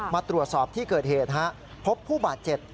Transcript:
มาตรวจสอบที่เกิดเหตุพบผู้บาดเจ็บ